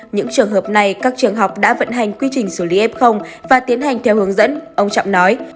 những trường hợp này các trường học đã vận hành quy trình xử lý f và tiến hành theo hướng dẫn ông trọng nói